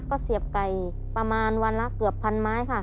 ก็เสียบไก่ประมาณวันละเกือบพันไม้ค่ะ